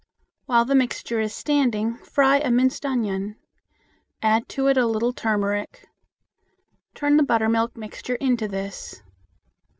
While the mixture is standing, fry a minced onion; add to it a little turmeric. Turn the buttermilk mixture into this.